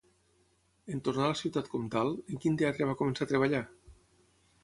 En tornar a la Ciutat Comtal, en quin teatre va començar a treballar?